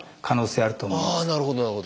ああなるほどなるほど。